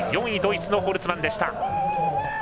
４位、ドイツのホルツマンでした。